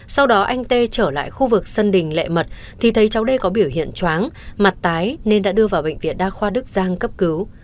sau đó anh tê trở lại khu vực sân đình lệ mật thì thấy cháu đây có biểu hiện chóng mặt tái nên đã đưa vào bệnh viện đa khoa đức giang cấp cứu